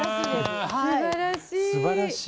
すばらしい！